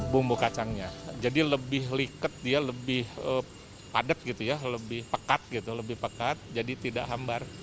bumbu kacangnya jadi lebih liket lebih padat lebih pekat jadi tidak hambar